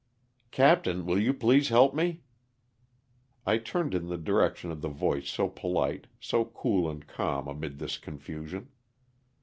'^ "Captain, will you please help me?" I turned in the direction of the voice so polite, so cool and calm amid this confusion.